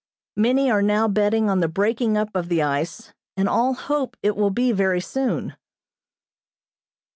Many are now betting on the breaking up of the ice, and all hope it will be very soon.